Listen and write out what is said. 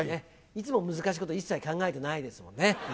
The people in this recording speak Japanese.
いつも難しいこと一切考えてないですもんね。